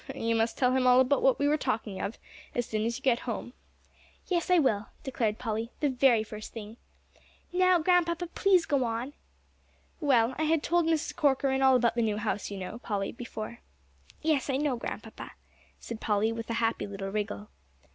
"You must tell him all about what we are talking of, as soon as you get home." "Yes, I will," declared Polly, "the very first thing. Now, Grandpapa, please go on." "Well, I had told Mrs. Corcoran all about the new house, you know, Polly, before." "Yes, I know, Grandpapa," said Polly, with a happy little wriggle.